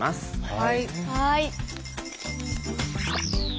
はい。